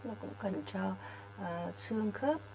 nó cũng cần cho xương khớp